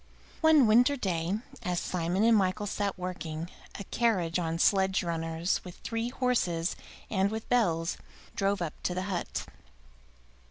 One winter day, as Simon and Michael sat working, a carriage on sledge runners, with three horses and with bells, drove up to the hut.